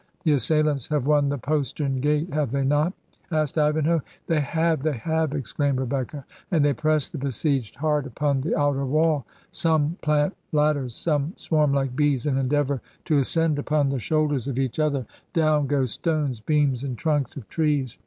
'The assailants have won the postern gate, have they not?* asked Ivanhoe. 'They have, they have,' exclaimed Rebecca, 'and they press the besieged hard upon the outer wall; some plant ladders, some swarm like bees, and endeavor to £iscend upon the shoulders of each other — down go stones, beams, and tnmks of trees.